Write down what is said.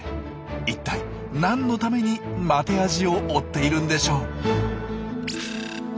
いったい何のためにマテアジを追っているんでしょう？